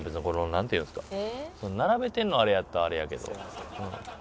このなんていうんですか並べてんのあれやったらあれやけど。